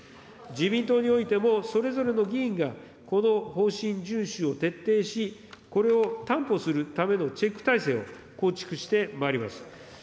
自民党においても、それぞれの議員が、この方針順守を徹底し、これを担保するためのチェック体制を構築してまいります。